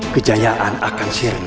kejayaan akan she bolong